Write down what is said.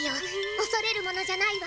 おそれるものじゃないわ。